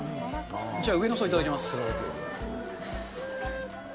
じゃあ上の層、いただきます。